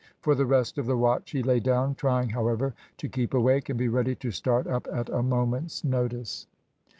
For the rest of the watch he lay down, trying, however, to keep awake, and be ready to start up at a moment's notice.